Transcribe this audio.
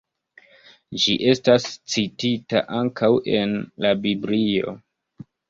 Ĝi estas citita ankaŭ en la Biblio.